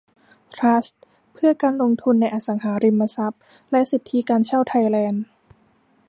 ทรัสต์เพื่อการลงทุนในอสังหาริมทรัพย์และสิทธิการเช่าไทยแลนด์